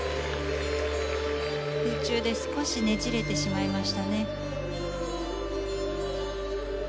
空中で少しねじれてしまいました。